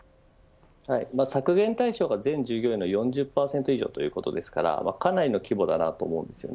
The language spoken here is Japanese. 削減対象が全従業員の４０％以上ということですからかなりの規模だなと思います。